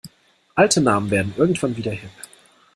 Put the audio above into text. Alte Namen werden irgendwann wieder hip.